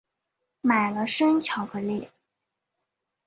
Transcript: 买了生巧克力